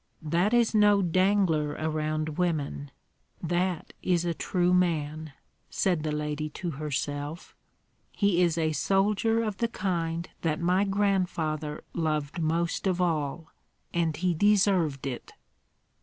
"That is no dangler around women; that is a true man," said the lady to herself. "He is a soldier of the kind that my grandfather loved most of all, and he deserved it!"